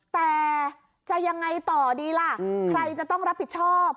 แต่จะยังไงต่อดีล่ะใครจะต้องรับผิดชอบ